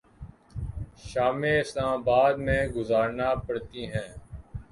شامیں Islamabad میں گزارنا پڑتی ہیں۔